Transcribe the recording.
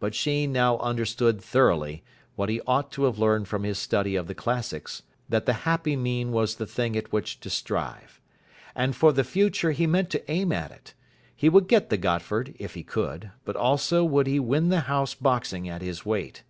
But Sheen now understood thoroughly, what he ought to have learned from his study of the Classics, that the happy mean was the thing at which to strive. And for the future he meant to aim at it. He would get the Gotford, if he could, but also would he win the house boxing at his weight.